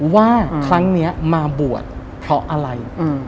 ว่าครั้งนี้มาบวชเพราะอะไร